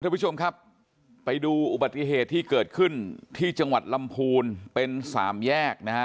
ทุกผู้ชมครับไปดูอุบัติเหตุที่เกิดขึ้นที่จังหวัดลำพูนเป็นสามแยกนะฮะ